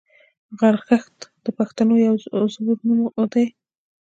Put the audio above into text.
غرغښت د پښتنو یو زوړ نوم دی